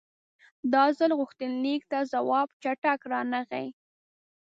دا ځل غوښتنلیک ته ځواب چټک رانغی.